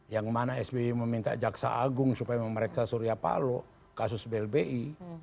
yang mana sby meminta jaksa agung supaya memeriksa surya palo kasus blbi